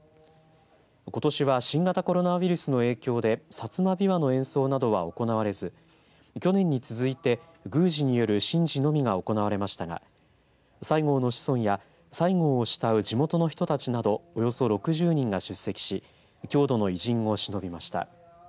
ことしは新型コロナウイルスの影響で薩摩琵琶の演奏などは行われず去年に続いて宮司による神事のみが行われましたが西郷の子孫や西郷を慕う地元の人たちなどおよそ６０人が出席し郷土の偉人をしのびました。